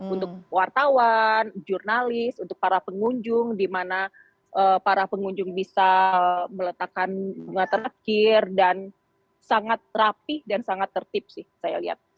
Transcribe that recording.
untuk wartawan jurnalis untuk para pengunjung di mana para pengunjung bisa meletakkan bunga terakhir dan sangat rapih dan sangat tertib sih saya lihat